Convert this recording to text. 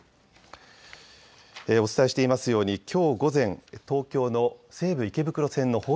お伝えしていますようにきょう午前、東京の西武池袋線の保